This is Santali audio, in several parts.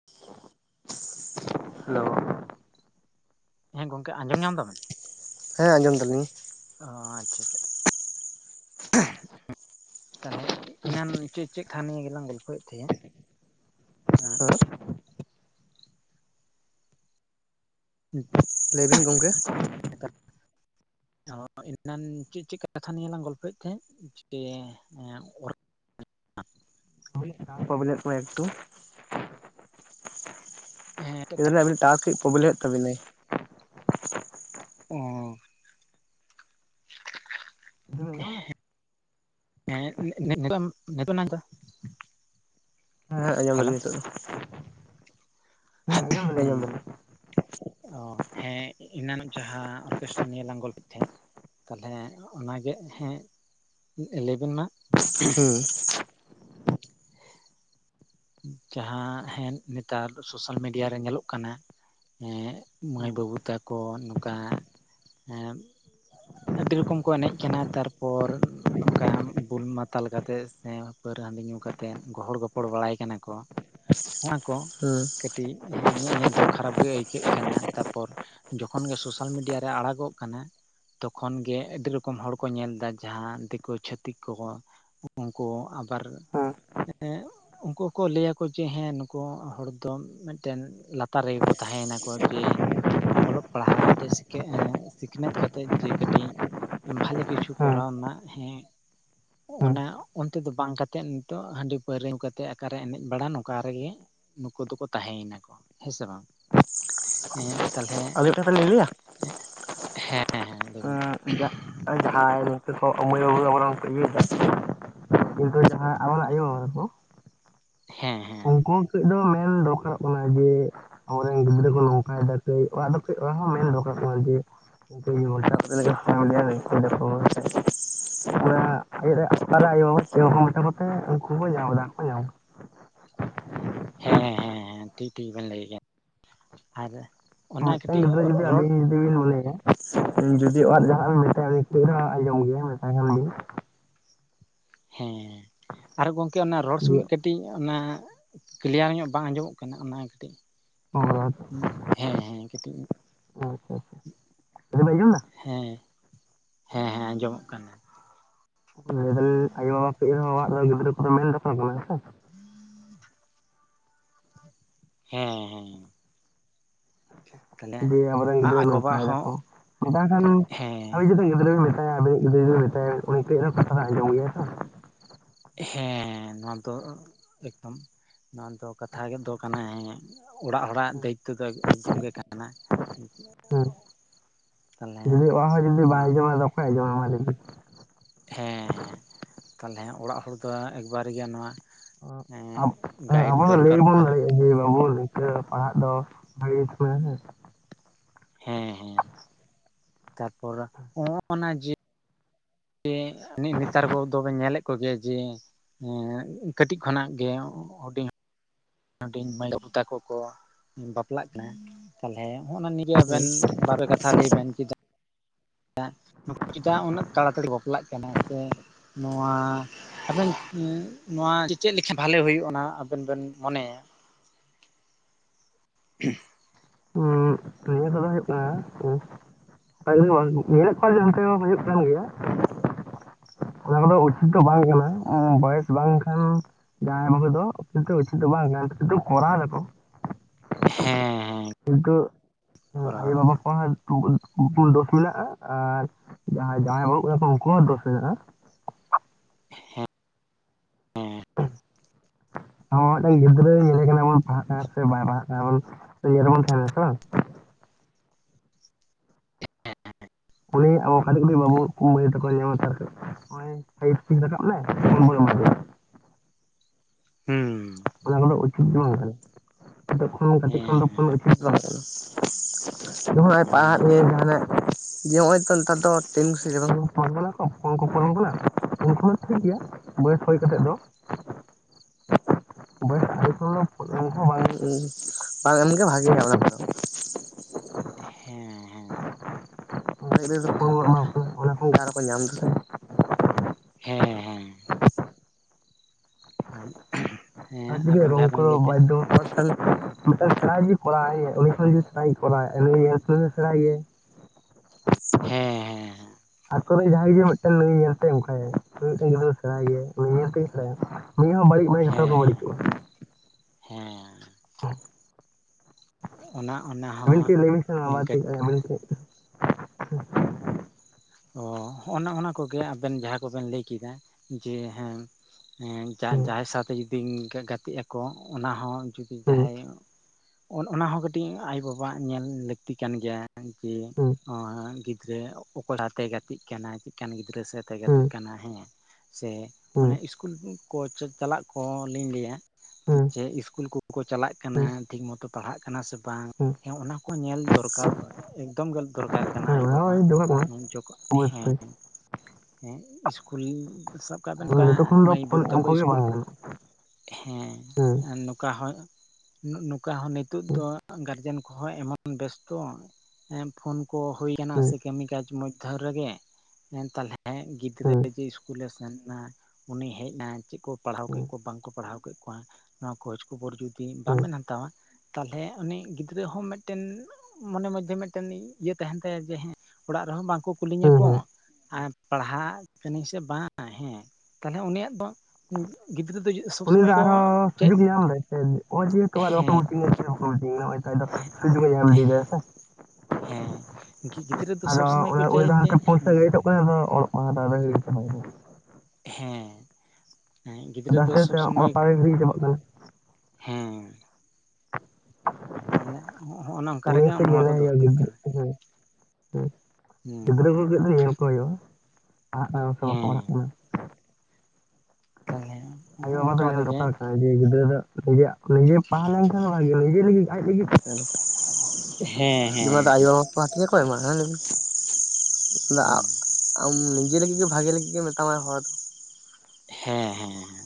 ᱦᱮᱞᱳ ᱾ ᱦᱮᱸ ᱜᱚᱢᱠᱮ ᱟᱸᱡᱚᱢ ᱧᱟᱢ ᱫᱟᱵᱮᱱ? ᱦᱮᱸ ᱟᱸᱡᱚᱢ ᱫᱟᱞᱤᱧ ᱾ ᱚᱸ ᱟᱪᱪᱷᱟ ᱟᱪᱪᱷᱟ [inaudible] [inaudible] ᱛᱟᱦᱞᱮ ᱮᱱᱟᱱ ᱪᱮᱫ ᱪᱮᱫ ᱛᱷᱟᱱᱮ ᱱᱤᱭᱟᱹ ᱜᱮᱞᱟᱝ ᱜᱚᱞᱯᱷᱚᱭᱮᱫ ᱛᱟᱦᱮᱸᱫ? ᱮᱸᱜ ᱦᱮᱸ ᱦᱩᱸ ᱾ ᱞᱟᱹᱭ ᱵᱤᱱ ᱜᱚᱝᱠᱮ ᱾ [unintelligible] ᱮᱱᱟᱱ [unintelligible] ᱪᱮᱫ ᱪᱮᱫ ᱠᱟᱛᱷᱟ ᱱᱤᱭᱟᱹᱞᱟᱝ ᱜᱚᱞᱯᱚᱭᱮᱫ ᱛᱟᱦᱮᱸᱫ ᱡᱮ ᱮᱸ ᱚ ᱴᱟᱶᱟᱨ ᱯᱨᱚᱵᱞᱮᱢ ᱮᱫ ᱛᱟᱢᱟ ᱮᱠᱴᱩ ᱾ ᱦᱮᱸ ᱞᱟᱹᱭ ᱫᱟᱹᱞᱤᱧ ᱴᱟᱶᱠᱤ ᱯᱚᱵᱮᱞᱮᱢ ᱮᱫ ᱛᱟᱵᱤᱱᱟ ᱾ ᱚᱸ ᱦᱮᱸ [unintelligible] ᱦᱮᱸ [unintelligible] ᱱᱤᱛᱚᱜ [unintelligible] ᱮᱫᱟ ᱦᱮᱸ ᱟᱸᱡᱚᱢ ᱫᱟᱞᱤᱧ ᱱᱤᱛᱚᱜ ᱫᱚ ᱾ ᱟᱸᱡᱚᱢ ᱫᱟᱞᱤᱧ ᱾ ᱚᱸ ᱦᱮᱸ ᱮᱱᱟᱱᱚᱜ ᱡᱟᱦᱟᱸ ᱚᱨᱠᱮᱥᱴᱟᱨ ᱱᱤᱭᱮ ᱞᱟᱝ ᱜᱚᱞᱯᱚᱭᱮᱫ ᱛᱟᱦᱮᱸᱫ ᱛᱟᱦᱚᱞᱮ ᱚᱱᱟᱜᱮ ᱦᱮᱸ ᱞᱟᱹᱭ ᱵᱤᱱ ᱢᱟ ᱾ [inaudible] ᱦᱩᱸ ᱾ ᱡᱟᱦᱟᱸ ᱦᱮᱸ ᱱᱮᱛᱟᱨ ᱥᱳᱥᱟᱞ ᱢᱤᱰᱤᱭᱟ ᱨᱮ ᱧᱮᱞᱚᱜ ᱠᱟᱱᱟ ᱾ ᱮᱸᱜ ᱢᱟᱹᱭ ᱵᱟᱹᱵᱩ ᱛᱟᱠᱚ ᱱᱚᱝᱠᱟ ᱮᱸ ᱟᱹᱰᱤ ᱨᱚᱠᱚᱢ ᱠᱟᱛᱮ ᱠᱚ ᱮᱱᱮᱡ ᱠᱟᱱᱟ, ᱛᱟᱨᱯᱚᱨ ᱚᱱᱠᱟ ᱵᱩᱞ ᱢᱟᱛᱟᱞ ᱠᱟᱛᱮ ᱥᱮᱸ ᱯᱟᱹᱶᱨᱟᱹ ᱦᱟᱺᱰᱤ ᱧᱩ ᱠᱟᱛᱮᱫ ᱜᱚᱦᱚᱲ ᱜᱚᱯᱚᱲ ᱵᱟᱲᱟᱭ ᱠᱟᱱᱟ ᱠᱚ ᱦᱚᱜ-ᱚᱣ ᱠᱚ ᱦᱩᱸ ᱠᱟᱹᱴᱤᱡ ᱧᱮᱧᱮᱞ ᱛᱮᱦᱚ ᱠᱷᱟᱨᱟᱯ ᱜᱮ ᱟᱹᱭᱠᱟᱹᱜ ᱠᱟᱱᱟ ᱾ ᱛᱟᱯᱚᱨ ᱡᱚᱠᱷᱚᱱ ᱜᱮ ᱥᱳᱥᱟᱞ ᱢᱤᱰᱤᱭᱟ ᱨᱮ ᱟᱲᱟᱜᱼᱚᱜ ᱠᱟᱱᱟ ᱛᱚᱠᱷᱚᱱ ᱜᱮ ᱟᱹᱰᱤ ᱨᱚᱠᱚᱢ ᱦᱚᱲ ᱠᱚ ᱧᱮᱞ ᱮᱫᱟ ᱡᱟᱦᱟᱸ ᱫᱤᱠᱩ ᱪᱷᱟᱹᱛᱤᱠ ᱠᱚ ᱦᱚᱸ ᱩᱱᱠᱩ ᱟᱵᱟᱨ ᱦᱮᱸ ᱮᱸᱜ ᱩᱱᱠᱩ ᱩᱱ ᱠᱚ ᱞᱟᱹᱭᱟᱠᱚ ᱡᱮ, ᱦᱮᱸ ᱱᱩᱠᱩ ᱦᱚᱲ ᱫᱚ ᱢᱮᱫᱴᱮᱱ ᱞᱟᱛᱟᱨ ᱨᱮᱜᱮ ᱠᱚ ᱛᱟᱦᱮᱸᱭᱮᱱᱟ ᱠᱚ ᱡᱮ ᱚᱞᱚᱜ ᱯᱟᱲᱦᱟᱣ ᱛᱮ ᱥᱮᱠᱮ ᱥᱤᱠᱷᱱᱟᱹᱛ ᱠᱟᱛᱮᱫ ᱾ ᱡᱮ ᱠᱟᱹᱴᱤᱡ ᱵᱷᱟᱞᱮ ᱠᱤᱪᱷᱩ ᱠᱚᱨᱟᱣ ᱨᱮᱱᱟᱜ ᱦᱮᱸ ᱦᱮᱸ ᱚᱱᱟ ᱚᱱᱛᱮ ᱫᱚ ᱵᱟᱝ ᱠᱟᱛᱮᱫ ᱱᱤᱛᱚᱜ ᱦᱟᱺᱰᱤ ᱯᱟᱹᱣᱨᱟᱹ ᱧᱩ ᱠᱟᱛᱮᱫ ᱚᱠᱟᱨᱮ ᱮᱱᱮᱡ ᱵᱟᱲᱟ, ᱱᱚᱝᱠᱟ ᱨᱮᱜᱮ ᱱᱩᱠᱩ ᱫᱚᱠᱚ ᱛᱟᱦᱮᱸᱭᱮᱱᱟᱠᱚ ᱦᱮᱸ ᱥᱮ ᱵᱟᱝ? [inaudible] ᱛᱟᱦᱞᱮ, ᱟᱫᱚ ᱢᱤᱫᱴᱟᱝ ᱠᱟᱛᱷᱟ ᱞᱤᱧ ᱞᱟᱹᱭᱟ ᱦᱮᱸ ᱦᱮᱸ ᱞᱟᱹᱭᱵᱮᱱ ᱾ [unintelligible] ᱢᱟᱹᱭ ᱵᱟᱵᱩ ᱟᱵᱚ ᱨᱮᱱ ᱤᱭᱤᱷᱟᱨ [unintelligible] [inaudible] [inaudible] ᱱᱤᱛᱚᱜ‌ ᱡᱟᱦᱟ ᱟᱵᱚᱱᱟᱜ ᱤᱭᱟᱹ [unintelligible] ᱦᱚᱸ ᱦᱮᱸ ᱦᱮᱸ ᱾ ᱱᱤᱛᱚᱜ ᱫᱚ ᱢᱮᱱ ᱫᱚᱨᱠᱟᱨᱚᱜ ᱠᱟᱱᱟ ᱡᱮ ᱟᱵᱚᱨᱮᱱ ᱜᱤᱫᱽᱨᱟᱹ ᱠᱚ ᱱᱚᱝᱠᱟᱭ ᱫᱟᱠᱚᱹᱡᱮ, ᱚᱲᱟᱜ ᱫᱚ ᱠᱟᱹᱡ ᱚᱲᱟᱜ ᱦᱚᱸ ᱢᱮᱱ ᱫᱚᱨᱠᱟᱨ ᱠᱟᱱᱟ ᱡᱮ ᱠᱩᱰᱮ ᱠᱷᱚᱵ [unintelligible] [inaudible] ᱤᱭᱟᱹ ᱨᱮ ᱟᱥᱛᱟ ᱨᱮ ᱟᱭᱳ ᱦᱚᱲ ᱪᱮᱫ ᱦᱚᱸ ᱵᱟᱠᱚ ᱢᱮᱛᱟ ᱠᱚ ᱛᱟᱦᱮᱜ ᱩᱱᱠᱩ ᱦᱚᱸ ᱧᱟᱢ ᱠᱟᱫᱟ ᱠᱚ ᱧᱟᱢ ᱦᱮᱸ ᱦᱮᱸ ᱦᱮᱸ ᱴᱷᱤᱠ ᱴᱷᱤᱠ ᱵᱮᱱ ᱞᱟᱹᱭ ᱠᱟᱜ, ᱟᱨ ᱚᱱᱟ ᱢᱮᱫᱴᱮᱱ ᱠᱟᱹᱴᱤᱡ ᱜᱤᱫᱽᱨᱟᱹ ᱡᱩᱫᱤ ᱨᱚᱲ ᱟᱵᱤᱱ ᱴᱷᱤᱠ ᱵᱤᱱ ᱢᱚᱱᱮᱭᱟ ᱡᱩᱫᱤ ᱟᱡ ᱡᱟᱦᱟᱸ ᱱᱟᱜ ᱮᱢ ᱢᱮᱛᱟᱭᱟ ᱩᱱᱤ ᱠᱟ. ᱡ ᱨᱮᱦᱚ ᱟᱡᱚᱢ ᱜᱮᱭᱟ ᱢᱮᱛᱟᱭ ᱠᱷᱟᱱ ᱜᱮ ᱾ ᱦᱮᱸ ᱟᱨᱚ ᱜᱚᱝᱠᱮ ᱚᱱᱟ ᱨᱚᱲ ᱡᱮ ᱚ ᱥᱚᱢᱚᱭ ᱠᱟᱹᱴ ᱴᱤᱡ ᱚᱱᱟ ᱠᱞᱤᱭᱟᱨ ᱧᱚᱜ ᱵᱟᱝ ᱟᱸᱡᱚᱢᱚᱜ ᱠᱟᱱᱟ ᱚᱱᱟ ᱠᱟᱹᱴᱤᱡ ᱟᱪᱪᱷᱟ ᱟᱪᱪᱷᱟ ᱦᱮᱸ ᱦᱮᱸ ᱠᱟᱹᱴᱤᱡ ᱟᱪᱪᱷᱟ ᱟᱪᱪᱷᱟ, ᱱᱤᱛᱚᱜ ᱵᱤᱱ ᱟᱸᱡᱚᱢ ᱫᱟ? ᱦᱮᱸ, ᱦᱮᱸ ᱦᱮᱸ ᱟᱸᱡᱚᱢᱚᱜ ᱠᱟᱱᱟ ᱾ ᱞᱟᱹᱭ ᱫᱟᱞᱤᱧ ᱟᱭᱳᱼᱵᱟᱵᱟ ᱠᱟ. ᱡ ᱦᱚᱸ ᱚᱲᱟᱜ ᱨᱮ ᱫᱚ ᱜᱤᱫᱽᱨᱟᱹ ᱠᱚᱫᱚ ᱢᱮᱱ ᱫᱟ ᱠᱚ ᱠᱟᱱᱟ ᱦᱮᱸᱥᱮ ᱾ ᱦᱮᱸ ᱦᱮᱸ ᱛᱟᱦᱚᱞᱮ ᱫᱤᱭᱮ ᱟᱵᱚᱨᱮᱱ ᱜᱤᱫᱽᱨᱟᱹ ᱟᱡ ᱵᱟᱵᱟ ᱱᱚᱝᱠᱟᱭ ᱦᱚᱸ ᱫᱟᱠᱚ ᱢᱮᱛᱟ ᱠᱷᱟᱱ ᱦᱮᱸ ᱟᱵᱚ ᱡᱚᱛᱚ ᱜᱤᱫᱽᱨᱟᱹ ᱟᱵᱤᱱᱤᱡ ᱜᱤᱫᱽᱨᱟᱹ ᱡᱩᱫᱤ ᱢᱮᱛᱟᱭᱟ ᱩᱱᱤ ᱠᱟᱹᱡ ᱨᱮᱦᱚᱸ ᱠᱟᱛᱷᱟ ᱫᱚᱭ ᱜᱮᱭᱟᱭ ᱦᱮᱸ ᱥᱮ ᱵᱟᱝ? ᱦᱮᱸ ᱱᱚᱣᱟ ᱫᱚ ᱮᱠᱫᱚᱢ ᱱᱚᱣᱟ ᱫᱚ ᱠᱟᱛᱷᱟ ᱫᱚ ᱠᱟᱱᱟ ᱦᱮᱸ ᱾ ᱚᱲᱟᱜ ᱦᱚᱲᱟᱜ ᱫᱟᱭᱤᱛᱛᱚ ᱫᱚ ᱮᱠᱫᱚᱢ ᱜᱮ ᱠᱟᱱᱟ ᱾ ᱦᱮᱸ ᱡᱩᱫᱤ ᱚᱲᱟᱜ ᱦᱚᱲᱟᱜ ᱡᱩᱫᱤ ᱚᱱᱟ ᱵᱟᱟᱭ ᱟᱡᱚᱢᱟ ᱫᱚ ᱚᱠᱚᱭᱟᱜ ᱟᱡᱚᱢᱟᱭ ᱢᱟ ᱞᱟᱹᱭᱵᱤᱱ? ᱦᱮᱸ ᱦᱮᱸ ᱛᱟᱦᱚᱞᱮ ᱚᱲᱟᱜ ᱦᱚᱲ ᱫᱚ ᱮᱠᱵᱟᱨ ᱜᱮ ᱱᱚᱣᱟ ᱜᱟᱭᱤᱰ ᱟᱵᱚ ᱫᱚ ᱞᱟᱹᱭ ᱫᱚᱨᱠᱟᱨᱚᱜ ᱜᱮᱵᱚᱱ ᱠᱟᱱᱟ ᱞᱟᱹᱭᱼᱟ ᱡᱮ ᱵᱟᱵᱚᱱ ᱞᱟᱹᱭ ᱤᱭᱟᱹ ᱯᱟᱲᱦᱟᱜ ᱫᱚ ᱵᱷᱟᱞᱤ ᱤᱥᱠᱩᱞ ᱨᱮᱥᱮ ᱾ ᱦᱮᱸ ᱦᱮᱸ ᱾ ᱛᱟᱨᱯᱚᱨ ᱦᱚᱜᱼᱚᱱᱟ ᱱᱮ ᱱᱮᱛᱟᱨ ᱠᱚᱫᱚ ᱵᱮᱱ ᱧᱮᱞᱮᱫ ᱠᱚᱜᱮᱭᱟ ᱡᱮ ᱠᱟᱹᱴᱤᱡ ᱠᱷᱚᱱᱟᱜ ᱜᱮ ᱦᱩᱰᱤᱧ ᱦᱰᱤᱧ ᱢᱟᱹᱭ ᱵᱟᱹᱵᱩ ᱛᱟᱠᱚ ᱠᱚ ᱵᱟᱯᱞᱟᱜ ᱠᱟᱱᱟ ᱾ ᱛᱟᱦᱚᱞᱮ ᱦᱚᱜᱱᱟ ᱱᱤᱭᱮ ᱟᱵᱮᱱ ᱵᱟᱨᱮ ᱠᱟᱛᱷᱟ ᱞᱟᱹᱭ ᱵᱮᱱ ᱪᱮᱫᱟᱜ? ᱱᱩᱠᱩ ᱪᱮᱫᱟᱜ ᱩᱱᱟᱹᱜ ᱛᱟᱲᱟ-ᱛᱟᱹᱲᱤ ᱵᱟᱯᱞᱟᱜ ᱠᱟᱱᱟ ᱥᱮ, ᱱᱚᱣᱟ ᱟᱵᱮᱱ ᱱᱚᱣᱟ ᱪᱮ ᱪᱮᱫ ᱞᱮᱠᱷᱟᱱ ᱵᱷᱟᱞᱮ ᱦᱩᱭᱩᱜ-ᱟ? ᱚᱱᱟ ᱟᱵᱮᱱ ᱵᱮᱱ ᱢᱚᱱᱮᱭᱟ ᱾ [inaudible] ᱦᱸ ᱱᱤᱭᱟᱹ ᱠᱚᱫᱚ ᱦᱩᱭᱩᱜ ᱠᱟᱱᱟ ᱛᱟᱠᱨᱤᱵᱟᱱ ᱧᱮᱫ ᱠᱚᱣᱟ ᱱᱚᱱᱛᱮ ᱦᱚᱸ ᱦᱩᱭᱩᱜ ᱠᱟᱱ ᱜᱮᱭᱟ ᱾ ᱚᱱᱟ ᱠᱚᱫᱚ ᱩᱪᱤᱛ ᱫᱚ ᱵᱟᱝ ᱠᱟᱱᱟ ᱾ ᱵᱚᱭᱮᱥ ᱵᱟᱝᱠᱷᱟᱱ ᱡᱟᱦᱟᱸᱭ ᱵᱚᱜᱮ ᱫᱚ ᱩᱪᱤᱛ ᱫᱚ ᱩᱪᱤᱛ ᱫᱚ ᱵᱟᱝᱠᱟᱱᱟ ᱠᱤᱱᱛᱩ ᱠᱚᱨᱟᱣ ᱫᱟᱠᱚ ᱦᱮᱸ ᱦᱮᱸ ᱾ ᱠᱤᱱᱛᱩ ᱠᱚᱨᱟᱣ ᱟᱭᱚ ᱵᱟᱵᱟ ᱫᱟᱠᱚ ᱠᱚᱦᱚ ᱩᱱᱠᱩ ᱫᱚᱥ ᱢᱮᱱᱟᱜᱼᱟ ᱟᱨ ᱡᱟᱦᱟᱸᱭ ᱡᱟᱶᱟᱭ ᱵᱟᱦᱩᱜ ᱠᱟᱱᱟ ᱠᱚ ᱩᱱᱠᱩ ᱦᱚᱸ ᱫᱚᱥ ᱢᱮᱱᱟᱜᱼᱟ᱾ ᱦᱮᱸ ᱦᱮᱸ ᱱᱚᱜᱚᱭ ᱢᱤᱫᱴᱮᱱ ᱜᱤᱫᱽᱨᱟᱹ ᱧᱮᱞᱮ ᱠᱟᱱᱟ ᱵᱚᱱ ᱯᱟᱲᱦᱟᱜ ᱠᱟᱱᱟ ᱥᱮ ᱵᱟᱭ ᱯᱟᱲᱦᱟᱜ ᱟᱵᱚᱱ ᱤᱭᱟᱹ ᱨᱮᱵᱚᱱ ᱛᱟᱦᱮ ᱱᱟᱥᱮ ᱵᱟᱝ? ᱩᱱᱤ ᱟᱵᱚ ᱠᱟᱹᱴᱤᱡ ᱠᱟᱹᱴᱤᱡ ᱵᱟᱵᱩ ᱢᱟᱹᱭ ᱛᱟᱠ ᱦᱮᱢ ᱦᱟᱛᱟᱲ ᱠᱟᱜ ᱠᱚᱣᱟ [unintelligible] ᱛᱮ ᱨᱟᱠᱟᱵ ᱱᱟᱭ [unintelligible] ᱦᱩᱸᱻ ᱚᱱᱟ ᱠᱚᱫᱚ ᱩᱪᱤᱛ ᱜᱮ ᱵᱟᱝ ᱠᱟᱱᱟ ᱾ ᱱᱤᱛᱚᱜ ᱠᱷᱚᱱ ᱠᱟᱹᱴᱤᱡ ᱠᱷᱚᱱ ᱦᱮᱸ ᱫᱚ ᱦᱮᱸ ᱠᱚᱱᱚ ᱩᱪᱤᱛ ᱫᱚ ᱵᱟᱝ ᱠᱟᱱᱟ ᱾ [unintelligible] ᱡᱮ ᱱᱚᱜᱼᱚᱭ ᱱᱮᱛᱟᱨ ᱦᱮᱸ ᱫᱚ [unintelligible] ᱴᱷᱤᱠ ᱜᱮᱭᱟ ᱾ ᱵᱚᱭᱮᱥ ᱦᱩᱭ ᱠᱟᱛᱮ ᱫᱚ ᱾ ᱵᱚᱭᱮᱥ ᱟᱹᱣᱨᱤ ᱠᱷᱚᱱ ᱫᱚ [unintelligible] ᱵᱷᱟᱜᱤᱭᱟ᱾ ᱦᱮᱸ ᱦᱮᱸ ᱜᱤᱫᱟ. ᱨ ᱫᱚ ᱯᱷᱳᱱ ᱵᱚ ᱛᱟᱯᱚᱨ ᱮᱢᱟ ᱟᱠᱚᱣᱟ ᱾ ᱚᱱᱟ ᱠᱷᱚᱱ ᱜᱮ ᱟᱨᱦᱚ ᱠᱚ ᱧᱟᱢ ᱫᱟ ᱾ ᱦᱮᱸ ᱦᱮᱸ ᱦᱮᱸ ᱟᱫᱚ ᱟᱵᱮᱱ ᱡᱟᱦᱟᱸ ᱪᱤᱠᱟᱹᱭᱟᱠᱚ ᱵᱮᱱ ᱞᱟᱹᱭ ᱠᱮᱫ ᱵᱟᱡᱫᱷᱚ [unintelligible] ᱢᱤᱫᱴᱟᱱ ᱥᱮᱲᱟᱭᱤᱡ ᱠᱚᱲᱟ ᱩᱱᱤ ᱥᱩᱨ ᱨᱮ ᱡᱩᱫᱤ ᱛᱟᱦᱮᱸ ᱠᱚᱜᱼᱟ ᱛᱟᱦᱚᱞᱮ ᱥᱮᱲᱟᱭ ᱜᱮᱭᱟ ᱾ ᱦᱮᱸ ᱦᱮᱸ ᱟᱠᱚ ᱨᱮᱱ ᱡᱟᱦᱟᱸᱭ ᱜᱮ ᱢᱤᱫᱴᱮᱱ ᱱᱩᱭ ᱧᱮᱞᱛᱮ ᱚᱱᱠᱟᱭ ᱚᱱᱠᱚᱭᱟ ᱢᱤᱫᱴᱮᱱ ᱜᱤᱫᱽᱨᱟᱹ ᱥᱮᱬᱟᱭ ᱜᱮᱭᱟᱭ ᱩᱱᱤᱩᱭ ᱧᱮᱞᱛᱮᱜᱮ ᱥᱮᱟᱭᱟ ᱾ ᱢᱤᱫ ᱦᱚᱸ ᱵᱟᱹᱲᱤᱡ ᱢᱟᱱᱮ ᱡᱚᱛᱚ ᱦᱚᱲ ᱠᱚ ᱦᱮᱸ ᱵᱟᱹᱲᱤᱡ ᱠᱚᱼᱟ ᱾ ᱦᱮᱸ ᱚᱱᱟ ᱚᱱᱟ ᱟᱵᱤᱱ ᱠᱟᱹᱡ ᱦᱚᱸ ᱞᱮᱭᱵᱤᱱ ᱥᱮ ᱱᱚᱣᱟᱛᱮ ᱟᱵᱤᱱ ᱠᱟᱹᱡ ᱾ ᱚ ᱦᱚᱜ ᱱᱚ ᱚᱱᱟ ᱠᱚᱜᱮ ᱟᱵᱮᱱ ᱡᱟᱦᱟᱸ ᱠᱚᱵᱮᱱ ᱞᱟᱹᱭ ᱠᱮᱫᱟ ᱡᱮ ᱦᱮᱸ ᱡᱟ ᱦᱩᱸ ᱡᱟᱦᱟᱸᱭ ᱥᱟᱶᱛᱮ ᱡᱩᱫᱤ ᱜᱟᱛᱮ ᱟᱠᱚ ᱚᱱᱟ ᱦᱚᱸ ᱡᱩᱫᱤ ᱦᱩᱸ ᱡᱟᱦᱟᱸᱭ, ᱚᱱᱟ ᱦᱚᱸ ᱠᱟᱹᱴᱤᱡ ᱟᱭᱳᱼᱵᱟᱵᱟᱣᱟᱜ ᱧᱮᱞ ᱞᱟᱹᱠᱛᱤ ᱠᱟᱱ ᱜᱮᱭᱟ ᱾ ᱡᱮ ᱦᱩᱸ ᱜᱤᱫᱽᱨᱟᱹ ᱚᱠᱚᱭ ᱥᱟᱛᱷᱮ ᱜᱟᱛᱮᱜ ᱠᱟᱱᱟᱭ? ᱠᱟᱱ ᱜᱤᱫᱽᱨᱟᱹ ᱥᱟᱛᱮ ᱜᱟᱛᱮᱜ ᱦᱩᱸ ᱠᱟᱱᱟ ᱦᱮᱸ ᱥᱮ ᱚᱱᱮ ᱦᱩᱸ ᱤᱥ ᱥᱠᱩᱞ ᱠᱚ ᱪᱟᱞᱟᱜ ᱠᱚᱞᱤᱧ ᱞᱮᱭᱟ, ᱦᱩᱸ ᱡᱮ ᱤᱥᱠᱩᱞ ᱠᱚᱠᱚ ᱪᱟᱞᱟᱜ ᱠᱟᱱᱟ ᱦᱩᱸ ᱴᱷᱤᱠ ᱢᱚᱛᱚ ᱯᱟᱲᱦᱟᱜ ᱠᱟᱱᱟ ᱥᱮ ᱵᱟᱝ ᱦᱩᱸ ᱦᱮᱸ ᱚᱱᱟ ᱠᱚ ᱧᱮᱞ ᱫᱚᱨᱠᱟᱨ ᱮᱠᱫᱚᱢ ᱜᱮ ᱫᱚᱨᱠᱟᱨ ᱠᱟᱱᱟ ᱦᱮᱸ ᱚᱱᱟ ᱟᱭᱳᱼᱵᱟᱵᱟᱣᱟᱜ ᱦᱚᱸ ᱡᱚᱜᱟᱜ ᱠᱟᱱᱟ ᱡᱚᱠᱷᱚᱱ ᱚᱵᱚᱥᱥᱳᱭ ᱦᱮᱸ ᱦᱮᱸ ᱤᱥᱠᱩᱞᱤᱧ, ᱥᱟᱵ ᱠᱟᱜ ᱵᱮᱱ ᱟᱨ ᱚᱱᱠᱟ ᱡᱚᱛᱚ ᱠᱷᱚᱱ ᱫᱚ ᱢᱟᱹᱭ ᱯᱷᱳᱱ ᱵᱟᱹᱵᱩ ᱮᱢ ᱛᱟᱠᱚ ᱠᱚᱜᱮ ᱤᱥᱠᱩᱞ ᱵᱟᱝ ᱠᱚ- ᱜᱟᱱᱚᱜᱼᱟ ᱦᱮᱸ ᱦᱩᱸ ᱟᱨ ᱱᱚᱠᱟ ᱦᱚᱸ ᱱᱚᱠᱟ ᱦᱚᱸ ᱱᱤᱛᱚᱜ ᱫᱚ ᱜᱟᱨᱡᱮᱱ ᱠᱚᱦᱚᱸ ᱮᱢᱚᱱ ᱵᱮᱥᱛᱚ ᱯᱷᱳᱱ ᱠᱚ ᱦᱩᱭ ᱠᱟᱱᱟ ᱦᱩᱸ ᱦᱩᱸ ᱥᱮ ᱠᱟᱢᱤ ᱠᱟ ᱢᱚᱡᱽᱫᱷᱟᱣ ᱨᱮᱜᱮ ᱢᱮᱱ ᱛᱟᱦᱚᱞᱮ ᱜᱤᱫᱽᱨᱟᱹ ᱦᱩᱸ ᱡᱮ ᱤᱥ ᱠᱩᱞᱮ ᱥᱮᱱ ᱱᱟ ᱩᱱᱤ ᱦᱮᱡ ᱱᱟᱭ ᱪᱮᱫ ᱠᱚ ᱯᱟᱲᱦᱟᱣ ᱠᱮᱫ ᱠᱚ ᱵᱟᱝᱠᱚ ᱯᱟᱲᱦᱟᱣ ᱠᱮᱫ ᱠᱚ, ᱠᱮᱫ ᱠᱚᱣᱟ ᱱᱚᱣᱟ ᱠᱷᱳᱡ ᱠᱷᱵᱚᱨ ᱡᱩᱫᱤ ᱦᱩᱸ ᱵᱟᱝᱵᱮᱱ ᱦᱟᱛᱟᱣᱟ, ᱛᱟᱞᱚᱞᱮ ᱩᱱᱤ ᱜᱤᱫᱽᱨᱟᱹ ᱦᱚᱸ ᱢᱮᱫᱴᱮᱱ ᱢᱚᱱᱮ ᱢᱚᱫᱽᱫᱷᱮ ᱢᱤᱫᱴᱮᱱ ᱤᱭᱟᱹ ᱛᱟᱦᱮᱱ ᱛᱟᱭᱟ ᱡᱮ ᱦᱮᱸ, ᱚᱲᱟᱜ ᱨᱮᱦᱚᱸ ᱵᱟᱝᱠᱚ ᱠᱩᱞᱤᱧᱟ ᱦᱩᱸ ᱠᱚ ᱦᱩᱸ ᱟᱨ ᱯᱟᱲᱦᱟᱜ ᱠᱟᱹᱱᱟᱹᱧ ᱥᱮ ᱵᱟᱝ ᱦᱮᱸ ᱛᱟᱦᱚᱞᱮ ᱩᱱᱤᱭᱟᱜ ᱫᱚ ᱜᱤᱫᱽᱨᱟᱹ ᱫᱚ ᱥᱚᱵᱽ ᱩᱱᱤ ᱫᱚ ᱥᱚᱢᱚᱭ ᱠᱚ ᱟᱨᱦᱚᱸ ᱪᱮᱫ ᱥᱩᱡᱳᱜ ᱧᱟᱢ ᱞᱮᱫ ᱛᱮ ᱚᱭ ᱡᱮ ᱦᱮᱸ ᱛᱚ [inaudible] [inaudible] ᱦᱮᱸ ᱜᱤᱫᱽᱨᱟᱹ ᱫᱚ ᱟᱫᱚ ᱥᱚᱵᱽ ᱥᱚᱢᱚᱭ ᱠᱚ ᱚᱱᱟ ᱩᱱᱤ ᱪᱟᱭᱟ ᱫᱚ ᱡᱮ ᱦᱟᱱᱛᱮ ᱯᱷᱳᱱ ᱦᱮᱸ, [unintelligible] ᱦᱮᱸ ᱟᱫᱚ ᱜᱤᱫᱽᱨᱟᱹ ᱫᱚ ᱟᱥᱛᱮ ᱟᱥᱛᱮ ᱥᱚᱵ ᱟᱢᱟᱜ ᱥᱚᱢᱚᱭ, ᱯᱟᱣᱟᱨ ᱦᱤᱲᱤᱧ ᱪᱟᱵᱟᱜ ᱠᱟᱱᱟ ᱦᱮᱸ ᱛᱟᱦᱞᱮ ᱦᱚ ᱦᱚᱸᱜᱼᱚ ᱱᱚᱝᱠᱟ ᱩᱱᱤ ᱨᱮᱜᱮ ᱦᱚᱸᱛᱚ ᱱᱚᱣᱟ ᱧᱮᱞᱮ ᱠᱚᱫᱚ ᱦᱩᱭᱩᱜᱼᱟ ᱦᱳᱭᱳᱜ ᱜᱤᱫᱽᱨᱟᱹ ᱠᱟᱱᱟ ᱦᱮᱸ ᱦᱮᱸ ᱦᱮᱸ [inaudible] ᱧᱮᱞ ᱠᱚ ᱦᱳᱭᱳᱜ ᱟ ᱯᱟᱲᱦᱟᱜ ᱠᱟᱱᱟ ᱠᱚ ᱥᱮ ᱵᱟᱠᱚ ᱦᱮᱸ ᱯᱟᱲᱦᱟᱜ, ᱠᱟᱱᱟ ᱛᱟᱦᱞᱮ ᱦᱚᱸ ᱟᱭᱳ ᱵᱟᱵᱟ ᱫᱚ ᱚᱱᱠᱟ ᱢᱮᱱ ᱨᱮᱜᱮ ᱫᱚᱨᱠᱟᱨ ᱡᱮ ᱜᱤᱫᱽᱨᱟᱹ ᱫᱚ ᱱᱤᱡᱮ ᱱᱤᱡᱮᱢ ᱯᱟᱲᱦᱟᱣ ᱞᱮᱱᱠᱷᱟᱱ ᱵᱷᱟᱜᱮ ᱱᱤᱡᱮ ᱞᱟᱸᱜᱤᱫ ᱟᱡ ᱞᱟᱹᱜᱤᱫ [inaudible] ᱦᱮᱸ ᱦᱮᱸ ᱟᱭᱵ ᱦᱩᱸ [inaudible] ᱟᱢ ᱱᱤᱡᱮ ᱞᱟᱹᱜᱤᱫ ᱫᱚ ᱵᱷᱟᱜᱮ ᱞᱟᱹᱜᱤᱫ ᱜᱮ ᱢᱮᱛᱟᱢᱟᱭ ᱦᱚᱲ ᱫᱚ, ᱦᱮᱸ ᱦᱮᱸ ᱦᱮᱸ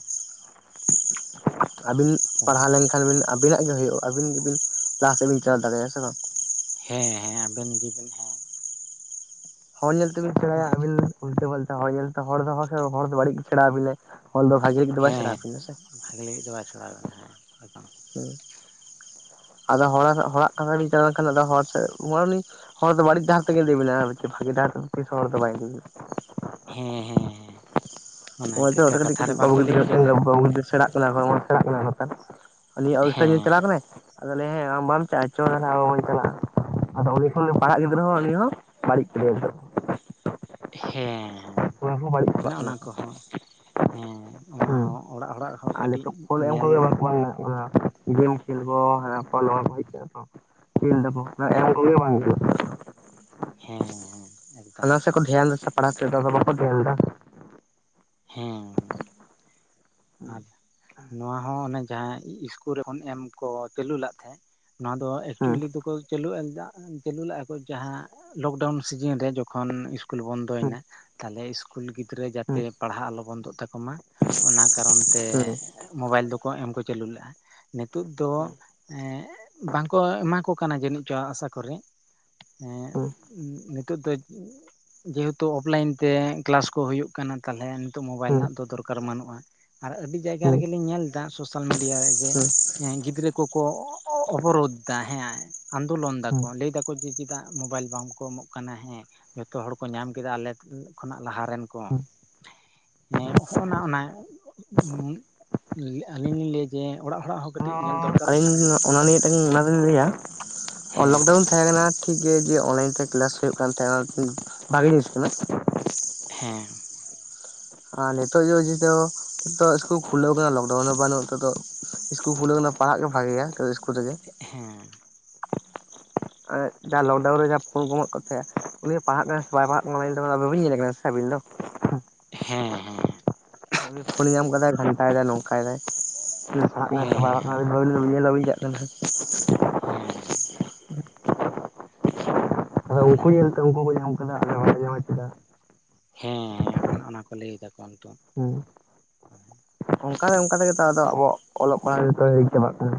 ᱟᱹᱵᱤᱱ ᱛᱟᱦᱚᱞᱮ ᱯᱟᱲᱦᱟᱣ ᱞᱮᱱᱠᱷᱟᱱ ᱵᱤᱱ ᱟᱹᱵᱤᱱᱟᱜ ᱜᱮ ᱦᱩᱭᱩᱜᱼᱟ ᱟᱹᱵᱤᱱ ᱜᱮᱵᱤᱱ ᱞᱟᱦᱟ ᱥᱮᱫ ᱵᱤᱱ ᱪᱟᱞᱟᱣ ᱫᱟᱲᱮᱭᱟᱜᱼᱟ ᱥᱮ ᱵᱟᱝ, ᱦᱮᱸ ᱦᱮᱸ ᱟᱵᱮᱱ ᱜᱮᱵᱤᱱ ᱦᱮᱸ ᱦᱚᱲ ᱧᱮᱞ ᱛᱮᱵᱤᱱ ᱥᱮᱬᱟᱭᱟ ᱟᱹᱵᱤᱱ ᱩᱞᱴᱟᱹ ᱯᱟᱞᱴᱟ ᱦᱚᱲ ᱧᱮᱞᱛᱮ ᱦᱚᱲ ᱫᱚ ᱦᱚᱲ ᱫᱚ ᱵᱟᱲᱤᱡ ᱜᱮ ᱥᱮᱬᱟ ᱟᱵᱤᱱᱟᱭ, ᱦᱚᱞ ᱫᱚ ᱵᱷᱟᱜᱮ ᱞᱟᱹᱜᱤᱫ ᱫᱚ ᱵᱟᱭ ᱥᱮᱲᱟ ᱦᱮᱸ ᱟᱵᱤᱱᱟ ᱥᱮ, ᱵᱷᱟᱜᱮ ᱞᱟᱹᱜᱤᱫ ᱫᱚ ᱵᱟᱭ ᱥᱮᱬᱟᱣ ᱟᱵᱤᱱᱟ ᱦᱮᱸ ᱮᱠᱫᱚᱢ, ᱦᱩᱸ ᱟᱫᱚ ᱦᱚᱲ ᱦᱚᱲᱟᱜ ᱠᱟᱛᱷᱟ ᱛᱮᱵᱤᱱ ᱪᱟᱞᱟᱣ ᱞᱮᱱᱠᱷᱟᱱ ᱟᱫᱚ ᱦᱚᱲ ᱥᱮᱫ [inaudible] ᱦᱚᱲ ᱫᱚ ᱵᱟᱲᱤᱡ ᱰᱟᱦᱟᱨ ᱛᱮᱜᱮ ᱤᱫᱤ ᱵᱤᱱᱟᱭ ᱵᱷᱟᱜᱮ ᱰᱟᱦᱟᱨ ᱛᱮᱫᱚ ᱛᱤᱥᱦᱟᱸ ᱦᱚᱲ ᱵᱟᱭ ᱤᱫᱤ ᱵᱤᱱᱟ, ᱦᱩᱸ ᱦᱩᱸ ᱦᱩᱸ ᱱᱚᱜ-ᱚᱭ ᱛᱚ ᱠᱟᱹᱴᱤᱡ ᱠᱟᱹᱴᱤᱡ ᱠᱷᱚᱱ ᱞᱟᱹᱭ ᱜᱤᱫᱽᱨᱟᱹ ᱠᱟᱫᱟ ᱴᱷᱮᱱ [unintelligible] ᱥᱮᱲᱟᱜ ᱚᱱᱟ ᱠᱷᱚᱱ ᱠᱚᱱ [unintelligible] ᱦᱮᱸ ᱪᱟᱞᱟᱜ ᱠᱟᱱᱟᱭ ᱟᱫᱚ ᱞᱮᱭᱟᱭ ᱦᱮᱸ ᱟᱢ ᱵᱟᱢ ᱪᱟ-ᱟ ᱪᱚ ᱛᱟᱦᱚᱞᱮ ᱟᱵᱚᱱ ᱪᱟᱞᱟᱜ-ᱟ, ᱟᱫᱚ ᱚᱸᱰᱮ ᱠᱷᱚᱱ ᱯᱟᱲᱦᱟᱜ ᱜᱤᱫᱽᱨᱟᱹ ᱦᱚᱸ ᱩᱱᱤ ᱦᱚᱸ ᱵᱟᱹᱲᱤᱡ ᱠᱮᱫᱮ-ᱟᱠᱚ, ᱦᱮᱸ ᱩᱱᱠᱩ ᱦᱚᱸ ᱵᱟᱹᱲᱤᱡ ᱚᱱᱮ ᱪᱟᱵᱟᱜ ᱠᱟᱱᱟ ᱚᱱᱟ ᱠᱚ ᱠᱚᱦᱚᱸ ᱦᱮᱸ ᱚᱱᱟ ᱦᱚᱸ ᱚᱲᱟᱜ ᱦᱚᱲᱟᱜ ᱦᱚᱸ ᱟᱞᱮ ᱠᱟᱹᱴᱤᱡ ᱛᱚ ᱠᱚᱞ ᱮᱢ ᱧᱮᱞ ᱠᱚᱜᱮ ᱵᱟᱠᱚ ᱢᱮᱱᱟᱜ ᱠᱚ ᱮᱸ ᱜᱮᱢ ᱠᱷᱮᱞ ᱠᱚ ᱦᱮ ᱯᱷᱚᱞ ᱛᱚ ᱠᱷᱮᱞᱵᱚ ᱮᱢ ᱠᱚᱜᱮ ᱵᱟᱝ ᱜᱟᱱᱚᱜ ᱠᱟᱱᱟ, ᱦᱮᱸ ᱦᱮᱸ ᱮᱠᱫᱚᱢ ᱦᱟᱱᱟ ᱥᱮ ᱠᱚ ᱮᱠᱫᱚᱢ ᱫᱷᱮᱭᱟᱱ ᱫᱟ ᱯᱟᱲᱦᱟᱣ ᱥᱮᱫ ᱵᱟᱠᱚ ᱫᱷᱮᱭᱟᱱ ᱫᱟ, ᱦᱮᱸ ᱦᱩᱸ ᱟᱨ ᱱᱚᱣᱟ ᱦᱚᱸ ᱚᱱᱮ ᱡᱟᱦᱟᱸ ᱤᱥᱠᱩᱞ ᱨᱮ ᱮᱢ ᱠᱚ ᱪᱟᱹᱞᱩ ᱞᱮᱫ ᱛᱟᱦᱮᱸᱫ, ᱱᱟᱣᱟ ᱫᱚ ᱮᱠᱪᱩᱭᱮᱞᱤ ᱦᱩᱸ ᱫᱚᱠᱚ ᱪᱟᱹᱞᱩ ᱪᱟᱹᱞᱩ ᱞᱟᱜ ᱠᱚ ᱡᱟᱦᱟᱸ ᱞᱚᱠᱰᱟᱣᱩᱱ ᱥᱤᱡᱤᱱ ᱨᱮ ᱡᱚᱠᱷᱚᱱᱼᱼ ᱤᱥᱠᱩᱞ ᱵᱚᱱᱫᱚᱭᱮᱱᱟ ᱛᱟᱦᱚᱞᱮ ᱤᱥᱠᱩᱞ ᱜᱤᱫᱽᱨᱟᱹ ᱦᱩᱸ ᱡᱟᱛᱮ ᱯᱟᱲᱦᱟᱜ ᱟᱞᱚ ᱵᱚᱱᱫᱚᱜ ᱛᱟᱠᱚᱚᱢ ᱢᱟ ᱚᱱᱟᱼᱼ ᱠᱟᱨᱚᱱ ᱛᱮ ᱦᱩᱸ ᱢᱳᱵᱟᱭᱤᱞ ᱫᱚᱠᱚ ᱮᱢ ᱠᱚ ᱪᱟᱹᱞᱩ ᱞᱮᱫᱼᱟ ᱱᱤᱛᱚᱜ ᱫᱚᱼᱼ ᱮᱸ ᱵᱟᱝᱠᱚ ᱮᱢᱟ ᱠᱚ ᱠᱟᱱᱟ ᱡᱟᱹᱱᱤᱡ ᱪᱚᱝ ᱟᱥᱟ ᱠᱚᱨᱮ᱾ ᱦᱮᱸ ᱦᱩᱸ ᱱᱤᱛᱚᱜ ᱫᱚ ᱡᱮᱦᱮᱛᱩ ᱚᱯᱞᱟᱭᱤᱱ ᱛᱮ ᱠᱮᱞᱟᱥ ᱠᱚ ᱦᱩᱭᱩᱜ ᱠᱟᱱᱟ᱾ ᱛᱟᱦᱚᱞᱮ ᱱᱤᱛᱳᱜ ᱢᱳᱵᱟᱭᱤᱞ ᱦᱩᱸ ᱨᱮᱱᱟᱜ ᱫᱚ ᱫᱚᱨᱠᱟᱨ ᱵᱟᱹᱱᱩᱜᱼᱟ᱾ ᱟᱨ ᱟᱹᱰᱤ ᱡᱟᱭᱜᱟ ᱦᱩᱸ ᱨᱮᱜᱮᱞᱤᱧ ᱧᱮᱞ ᱮᱫᱟ ᱥᱳᱥᱟᱞ ᱢᱤᱰᱤᱭᱟ ᱨᱮ ᱡᱮᱼᱼ ᱦᱩᱸ ᱜᱤᱫᱽᱨᱟᱹ ᱠᱚᱠᱚ ᱚᱵᱚᱨᱳᱫᱷ ᱮᱫᱟ ᱦᱮᱸ ᱟᱱᱫᱳᱞᱚᱱ ᱦᱩᱸ ᱫᱟᱠᱚ ᱞᱟᱹᱭ ᱫᱟᱠᱚ ᱡᱮ ᱪᱮᱫᱟᱜᱼᱼ ᱢᱳᱵᱟᱭᱤᱞ ᱵᱟᱝᱠᱚ ᱮᱢᱚᱜ ᱠᱟᱱᱟ ᱦᱮᱸ ᱡᱚᱛᱚ ᱦᱚᱲ ᱠᱚ ᱧᱟᱢ ᱠᱮᱫᱟ ᱟᱞᱮᱼᱼ ᱠᱷᱚᱱᱟᱜ ᱞᱟᱦᱟᱮᱱ ᱠᱚ ᱦᱚᱜᱼ ᱱᱟ ᱚᱱᱟᱼᱼ ᱟᱹᱞᱤᱧ ᱞᱤᱧ ᱞᱟᱹᱭ ᱠᱮᱫᱼᱼ ᱡᱮ ᱚᱲᱟᱜ ᱦᱚᱲᱟᱜ ᱦᱚᱸ ᱠᱟᱹᱴᱤᱡ ᱧᱮᱞ ᱟᱨᱦᱚᱸ ᱫᱚᱨᱠᱟᱨᱚᱜ ᱠᱟᱱᱟ᱾ ᱟᱹᱞᱤᱧ ᱚᱱᱟ ᱱᱤᱭᱮ ᱴᱟᱝ ᱚᱱᱟ ᱞᱤᱧ ᱞᱟᱹᱭᱟ ᱦᱮᱸ ᱞᱚᱠᱰᱟᱣᱩᱱ ᱛᱟᱦᱮᱸ ᱠᱟᱱᱟ ᱴᱷᱤᱠᱜᱮ ᱚᱱᱞᱟᱭᱤᱱ ᱛᱮ ᱠᱮᱞᱟᱥ ᱦᱩᱭᱩᱜ ᱠᱟᱱ ᱛᱟᱦᱮᱱᱟ ᱵᱷᱟᱜᱤ ᱡᱤᱱᱤᱥ ᱠᱟᱱᱟ᱾ ᱦᱮᱸ ᱟᱨ ᱱᱤᱛᱚᱜ ᱫᱚ ᱱᱤᱛᱚᱜ ᱤᱥᱠᱩᱞ ᱠᱷᱩᱞᱟᱹᱣ ᱠᱟᱱᱟ ᱞᱚᱠᱰᱟᱣᱩᱱ ᱦᱚᱸ ᱵᱟᱹᱱᱩᱜ ᱱᱤᱛ ᱫᱚ᱾ ᱤᱥᱠᱩᱞ ᱠᱷᱩᱞᱟᱹᱣ ᱟᱠᱟᱱᱟ ᱯᱟᱲᱦᱟᱜ ᱜᱮ ᱵᱷᱟᱜᱮᱭᱟ ᱥᱤᱥᱠᱩᱞ ᱨᱮᱜᱮ᱾ ᱦᱮᱸ ᱡᱟ ᱞᱚᱠᱰᱟᱣᱩᱱ ᱨᱮ ᱡᱟᱦᱟᱸ ᱯᱷᱳᱱ ᱠᱚᱢᱚᱜ ᱠᱟᱱᱟ ᱛᱟᱦᱮᱠᱟᱱᱟ ᱩᱱᱤᱭ ᱯᱟᱲᱦᱟᱜ ᱠᱟᱱᱟ ᱥᱮ ᱵᱟᱭ ᱯᱟᱲᱦᱟᱜ ᱠᱟᱱᱟ! ᱵᱟᱵᱤᱱ ᱧᱮᱞᱮᱫ ᱠᱟᱱᱟ ᱥᱮ ᱟᱹᱵᱤᱱ ᱫᱚ᱾ ᱦᱮᱸ ᱦᱮᱸ ᱩᱱᱤ ᱯᱷᱳᱱ ᱧᱟᱢ ᱠᱟᱫᱟᱭ ᱜᱷᱟᱱᱴᱟᱭ ᱫᱟᱭ ᱱᱚᱝᱠᱟᱭ ᱫᱟᱭ ᱯᱟᱲᱦᱟᱜ ᱠᱟᱱᱟᱭ ᱥᱮ ᱵᱟᱭ ᱯᱟᱲᱦᱟᱜ ᱦᱮᱸ ᱠᱟᱱᱟᱭ ᱩᱱᱤᱫᱚ ᱵᱟᱵᱤᱱᱼᱼ ᱧᱮᱞ ᱵᱟᱵᱤᱱ ᱪᱟᱞᱟᱜ ᱠᱟᱱ ᱠᱷᱟᱡᱼ ᱦᱮᱸ ᱟᱫᱚ ᱛᱟᱦᱚᱞᱮ ᱩᱱᱠᱩ ᱧᱮᱞᱛᱮ ᱩᱱᱠᱩ ᱠᱚ ᱧᱟᱢ ᱠᱮᱫᱟ ᱟᱞᱮ ᱵᱟᱞᱮ ᱧᱟᱢᱟ ᱪᱮᱫᱟᱜ? ᱦᱮᱸᱻ ᱚᱱᱮ ᱚᱱᱟ ᱠᱚ ᱞᱟᱹᱭ ᱫᱟᱠᱚ ᱱᱤᱛᱚᱜ᱾ ᱦᱮᱸ ᱚᱱᱠᱟ ᱚᱱᱠᱟ ᱛᱮᱜᱮ ᱛᱚ ᱟᱫᱚ ᱟᱵᱚᱣᱟᱜ ᱚᱞᱚᱜ ᱯᱟᱲᱦᱟᱜ ᱜᱤᱫᱽᱨᱟᱹᱭ ᱪᱟᱵᱟᱜ ᱠᱟᱱᱟ᱾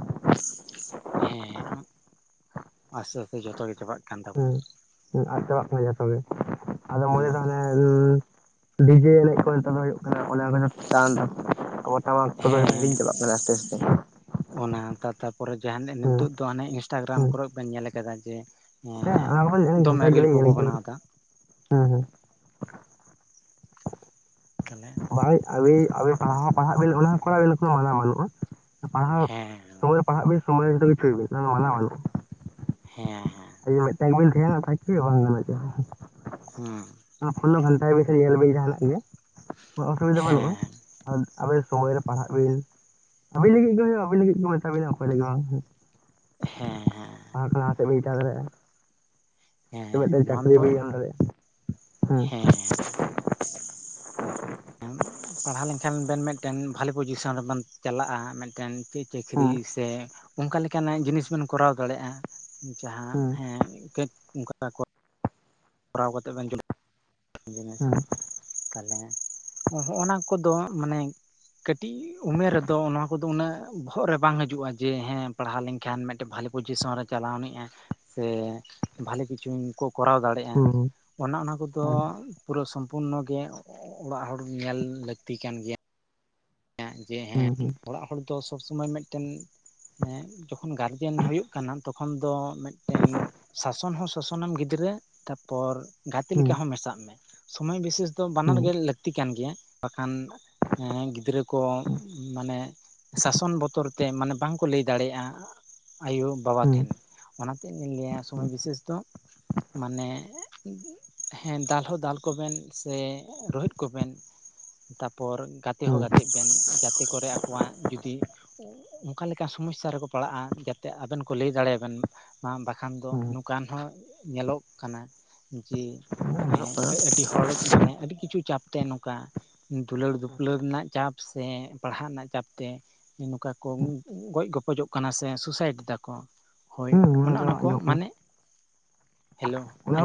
ᱦᱮᱸ ᱟᱥᱛᱮ ᱟᱥᱛᱮ ᱡᱚᱛᱚᱜ ᱜᱮ ᱪᱟᱵᱟᱜ ᱠᱟᱱᱟ᱾ ᱦᱮᱸ ᱟᱫ ᱪᱟᱵᱟᱜ ᱠᱟᱱᱟ ᱜᱮᱭᱟ ᱡᱚᱛᱚ ᱜᱮ ᱟᱫᱚ ᱢᱚᱱᱮ ᱦᱮᱸ ᱠᱟᱜ ᱢᱮᱼᱼ ᱰᱤᱡᱮ ᱮᱱᱮᱡ ᱠᱚ ᱱᱤᱛᱚᱜ ᱫᱚ ᱦᱩᱭᱩᱜ ᱠᱟᱱᱟ ᱚᱱᱟ ᱠᱚ ᱪᱟᱱ ᱫᱚ ᱾ ᱛᱚᱵᱮ ᱦᱮᱸ ᱦᱤᱲᱤᱧᱟᱵᱟᱜ ᱠᱟᱱᱟ ᱟᱥᱛᱮᱼ ᱟᱥᱛᱮ᱾ [inaudible] ᱚᱱᱟ ᱛᱟ ᱛᱟᱯᱚᱨᱮ ᱡᱟᱦᱟᱸ ᱱᱤᱛᱳ ᱦᱮᱸ ᱫᱚ ᱦᱟᱱᱮ ᱤᱱᱥᱴᱟᱜᱨᱟᱢ ᱦᱮᱸ ᱠᱚᱨᱮᱼᱼ ᱵᱟᱹᱧ ᱧᱮᱞ ᱟᱠᱟᱫᱟ ᱡᱮ ᱦᱮᱸ ᱚᱱᱟ ᱠᱚᱫᱚ ᱫᱚᱢᱮ ᱜᱷᱟᱱᱴᱟ ᱨᱤᱞ ᱜᱮᱞᱤᱧ ᱠᱚᱠᱚ ᱧᱮᱞ ᱠᱟᱱᱟ ᱵᱮᱱᱟᱣ ᱮᱫᱟ᱾ ᱦᱮᱸ ᱦᱮᱸ ᱠᱟᱱᱟ [unintelligible] ᱵᱟᱝ ᱟᱹᱵᱤᱱ ᱟᱵᱮᱱ ᱯᱟᱲᱦᱟᱣ ᱦᱚ ᱯᱟᱲᱦᱟᱜ ᱵᱮᱱ ᱚᱱᱟ ᱠᱚᱨᱟᱣ ᱵᱤᱱ ᱠᱳᱱᱳ ᱢᱟᱱᱟ ᱵᱟᱹᱱᱩᱜᱼᱟ ᱯᱟᱲᱦᱟᱣᱼᱼ ᱦᱮᱸ ᱥᱚᱢᱚᱭ ᱨᱮ ᱯᱟᱲᱦᱟᱵᱤᱱ ᱥᱚᱢᱚᱭ ᱨᱮ ᱡᱷᱚᱛᱚ ᱠᱤᱪᱷᱩᱭ ᱵᱤᱱ ᱠᱳᱱᱳ ᱢᱟᱱᱟ ᱵᱟᱱᱩᱜ-ᱟ᱾ ᱦᱮᱸ ᱦᱮᱸ ᱠ ᱵᱤᱞ ᱠᱷᱱᱟ ᱛᱠᱪ ᱵᱟᱝᱜ ᱪ [unintelligible] ᱦᱮᱸ ᱯᱷᱳᱱ ᱦᱚ ᱜᱷᱟᱱᱴᱟ ᱵᱤᱱ ᱥᱮ ᱧᱮᱞ ᱵᱤᱱ ᱡᱟᱦᱟᱱᱟᱜ ᱜᱮ ᱚᱥᱩᱵᱤᱫᱟ ᱵᱟᱹᱱᱩᱜᱼᱟ᱾ ᱦᱮᱸ ᱟᱵ ᱟᱵᱤᱱ ᱥᱚᱢᱚᱭ ᱨᱮ ᱯᱟᱲᱦᱟᱜ ᱵᱤᱱ᱾ ᱟᱵᱤᱱ ᱞᱟᱹᱜᱤᱫ ᱜᱮ ᱦᱩᱭᱩᱜ ᱟᱵᱤᱱ ᱞᱟᱹᱜᱤᱫ ᱠᱚ ᱢᱮᱛᱟᱵᱤᱱᱟ ᱚᱠᱚᱭ ᱞᱟᱹᱜᱤᱫ ᱦᱚ ᱵᱟᱝ ᱦᱮᱸᱻᱦᱮᱸ ᱟᱨᱠᱟᱛᱮ ᱢᱴᱮ [unintelligible] ᱦᱮᱸ ᱢᱤᱫ ᱴᱮᱱ ᱱᱚᱣᱟ ᱪᱟᱠᱨᱤ ᱫᱚ ᱵᱟᱹᱧ ᱧᱟᱢ ᱫᱟᱨᱤᱭᱟᱜ ᱠᱟᱱᱟ ᱦᱮᱸᱼᱼ ᱦᱮᱸ ᱯᱟᱲᱦᱟᱣ ᱞᱮᱱᱠᱷᱟᱱ ᱵᱮᱱ ᱢᱤᱫᱴᱮᱱ ᱵᱷᱟᱞᱤ ᱯᱚᱡᱤᱥᱚᱱ ᱨᱮᱵᱮᱱ ᱪᱟᱞᱟᱜᱼᱟ ᱢᱤᱫᱴᱮᱱᱼᱼ ᱪᱮ ᱪᱟᱹᱠᱨᱤ ᱦᱮᱸ ᱥᱮ ᱚᱱᱠᱟ ᱞᱮᱠᱟᱱᱟᱜ ᱡᱤᱱᱤᱥ ᱵᱮᱱ ᱠᱚᱨᱟᱣ ᱫᱟᱲᱮᱭᱟᱜᱼᱟ᱾ ᱡᱟᱦᱟᱸ ᱦᱮᱸ ᱦᱮᱸᱡ ᱟᱹᱡ ᱚᱱᱠᱟ [inaudible] ᱠᱚᱨᱟᱣ ᱠᱟᱛᱮ ᱵᱮᱱ ᱠ ᱡᱤᱱᱤᱥ ᱦᱮᱸ [unintelligible] ᱛᱟᱦᱚᱞᱮ, ᱦᱚᱸᱜ ᱚᱱᱟ ᱠᱚᱫᱚ ᱢᱟᱱᱮ ᱠᱟᱹᱴᱤᱡ ᱩᱢᱮᱨ ᱨᱮᱫᱚ ᱚᱱᱟ ᱠᱩᱫᱚ ᱩᱱᱟᱹᱜ ᱵᱚᱦᱚᱜ ᱨᱮ ᱵᱟᱝ ᱦᱤᱡᱩᱜᱼᱟ, ‌ ᱡᱮ ᱦᱮᱸ ᱯᱟᱲᱦᱟᱣ ᱞᱮᱱᱠᱷᱟᱱ ᱢᱤᱫᱴᱮᱱ ᱵᱷᱟᱞᱮ ᱯᱚᱡᱤᱥᱚᱱ ᱨᱮ ᱪᱟᱞᱟᱣ ᱟᱱᱤᱡᱼᱟ᱾ ᱥᱮ, ᱵᱷᱟᱞᱮ ᱠᱤᱪᱷᱩᱢ ᱠᱚ ᱠᱚᱨᱟᱣ ᱫᱟᱲᱮᱜ ᱦᱮᱸ ᱚᱱᱟ ᱚᱱᱟ ᱠᱚᱫᱚ ᱦᱮᱸ ᱯᱩᱨᱟᱹ ᱥᱳᱱ ᱯᱩᱨᱱᱚ ᱜᱮ ᱚᱲᱟᱜ ᱦᱚᱲ ᱧᱮᱞ ᱞᱟᱹᱠᱛᱤ ᱠᱟᱱ ᱜᱮ ᱭᱟ, ᱡᱮ ᱦᱮᱸ [inaudible] ᱚᱲᱟᱜ ᱦᱚᱲ ᱫᱚ ᱥᱚᱵ ᱥᱚᱢᱚᱭ ᱢᱤᱫᱴᱮᱱ ᱦᱮᱸ ᱡᱚᱠᱷᱚᱱ ᱜᱟᱨᱡᱮᱱ ᱦᱩᱭᱩᱜ ᱠᱟᱱᱟᱢ ᱛᱚᱠᱷᱚᱱ ᱫᱚ ᱢᱤᱫᱴᱮᱱ ᱥᱟᱥᱚᱱ ᱦᱚᱸ ᱥᱚᱥᱚᱱᱮᱢ ᱜᱤᱫᱽᱨᱟᱹ, ᱛᱟᱯᱚᱨ ᱜᱟᱛᱮ ᱞᱮᱠᱟ ᱦᱚᱸ ᱢᱮᱥᱟᱜ ᱢᱮ, ᱥᱳᱢᱚᱭ ᱵᱤᱥᱮᱥ ᱫᱚ ᱵᱟᱱᱟᱨ ᱜᱮ ᱞᱟᱹᱠ ᱛᱤ ᱠᱟᱱ ᱜᱮᱭᱟ, ᱵᱟᱠᱷᱟᱱ ᱦᱮᱸ ᱜᱤᱫᱽᱨᱟᱹ ᱠᱚ ᱢᱟᱱᱮ ᱥᱟᱥᱚᱱ ᱵᱚᱛᱚᱨ ᱛᱮ ᱢᱟᱱᱮ ᱵᱟᱝᱠᱚ ᱞᱟᱹᱭ ᱫᱟᱲᱮᱭᱟᱜᱼᱟ ᱟᱭᱳ ᱵᱟᱵᱟ ᱴᱷᱮᱱ᱾ ᱚᱱᱟ ᱛᱮᱧ ᱞᱟᱹᱭᱟ ᱥᱚᱢᱚᱭ ᱵᱤᱥᱮᱥ ᱫᱚ ᱢᱟᱱᱮ ᱦᱮᱸ ᱫᱟᱞ ᱦᱚᱸ ᱫᱟᱞ ᱠᱚᱵᱮᱱ ᱥᱮ ᱨᱚᱦᱮᱫ ᱠᱚᱵᱮᱱ, ᱛᱟᱯᱚᱨ ᱜᱟ ᱛᱮ ᱦᱚᱸ ᱜᱟᱛᱮᱜ ᱵᱮᱱ ᱡᱟᱛᱮ ᱠᱚᱨᱮ ᱟᱠᱚᱣᱟᱜ ᱡᱩᱫᱤ ᱚᱱᱠᱟ ᱞᱮᱠᱟᱱ ᱥᱚᱢᱚᱭᱥᱥᱟ ᱨᱮᱠᱚ ᱯᱟᱲᱟᱜᱼᱟ, ᱡᱟᱛᱮ ᱟᱵᱮᱱ ᱠᱚ ᱞᱟᱹᱭ ᱫᱟᱲᱮᱭᱟᱵᱮᱱ, ᱵᱟᱝ ᱵᱟᱠᱷᱟᱱ ᱫᱚ ᱱᱚᱝᱠᱟᱱ ᱦᱚᱸ ᱧᱮᱞᱚᱜ ᱠᱟᱱᱟ ᱡᱮ ᱦᱮᱸ ᱟᱹ ᱟᱹᱰᱤ ᱦᱚᱲ ᱢᱟᱱᱮ ᱟᱹᱰᱤ ᱠᱤᱪᱷᱩ ᱪᱟᱯ ᱛᱮ ᱱᱚᱝᱠᱟ, ᱫᱩᱞᱟᱹᱲᱼᱫᱩᱯᱞᱟᱹᱲ ᱨᱮᱱᱟᱜ ᱪᱟᱯ ᱥᱮ ᱯᱟᱲᱦᱟᱜ ᱨᱮᱱᱟᱜ ᱪᱟᱯ ᱛᱮ, ᱱᱚᱝᱠᱟ ᱠᱚ ᱜᱚᱡ-ᱜᱚᱯᱚᱡᱚᱜ ᱠᱟᱱᱟ ᱥᱮ ᱥᱩᱭᱥᱟᱭᱮᱰ ᱫᱟᱠᱚ, ᱦᱳᱭ ᱚᱱᱟ ᱫᱚ ᱚᱱᱟ ᱠᱚ ᱟᱸᱡᱚᱢᱚᱜ ᱠᱟᱱᱟ ᱢᱟᱱᱮ, ᱦᱮᱞᱳᱣ ᱚᱱᱟ